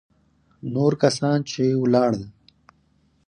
نور کسان چې ولاړل.